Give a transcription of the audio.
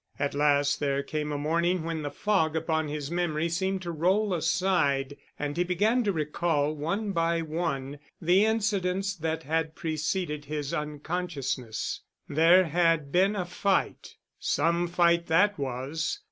At last there came a morning when the fog upon his memory seemed to roll aside and he began to recall one by one the incidents that had preceded his unconsciousness. There had been a fight. Some fight that was.